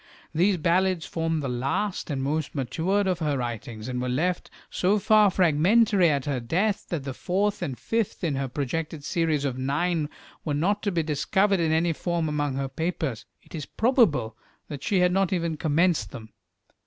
These ballads form the last and most matured of her writings, and were left so far fragmentary at her death that the fourth and fifth in her projected series of nine were not to be discovered in any form among her papers. It is probable that she had not even commenced them.